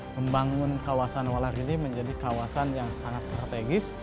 membangun kawasan walarili menjadi kawasan yang sangat strategis